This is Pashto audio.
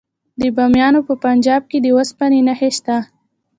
د بامیان په پنجاب کې د وسپنې نښې شته.